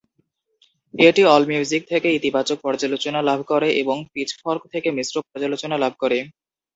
এটি অলমিউজিক থেকে ইতিবাচক পর্যালোচনা লাভ করে এবং পিচফর্ক থেকে মিশ্র পর্যালোচনা লাভ করে।